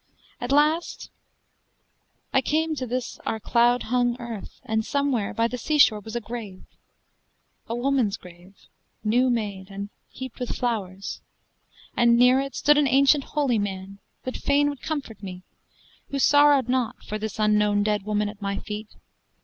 At last I came to this our cloud hung earth, And somewhere by the seashore was a grave, A woman's grave, new made, and heaped with flowers; And near it stood an ancient holy man That fain would comfort me, who sorrowed not For this unknown dead woman at my feet.